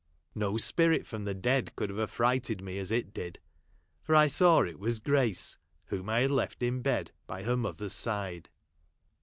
No spirit from the dead could have affrighted me as it did ; for I saw it was Grace, whom I had left in bed by her mother's side.